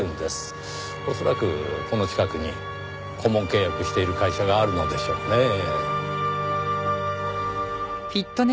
恐らくこの近くに顧問契約している会社があるのでしょうねぇ。